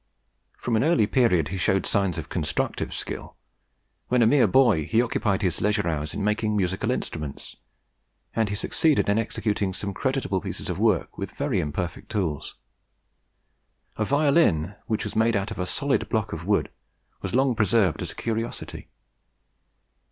From an early period he showed signs of constructive skill. When a mere boy, he occupied his leisure hours in making musical instruments, and he succeeded in executing some creditable pieces of work with very imperfect tools. A violin, which he made out of a solid block of wood, was long preserved as a curiosity.